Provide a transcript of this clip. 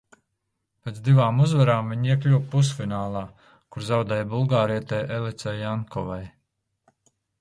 Pēc divām uzvarām viņa iekļuva pusfinālā, kur zaudēja bulgārietei Elicai Jankovai.